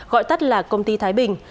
gọi tắt là công ty thái bình